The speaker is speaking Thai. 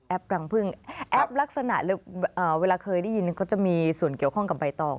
รังพึ่งแอปลักษณะเวลาเคยได้ยินก็จะมีส่วนเกี่ยวข้องกับใบตอง